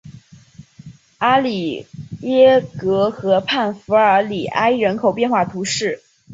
阿里耶格河畔弗尔里埃人口变化图示